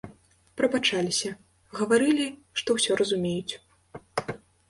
Прабачаліся, гаварылі, што ўсё разумеюць.